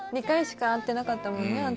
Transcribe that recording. ２回しか会ってなかったもんね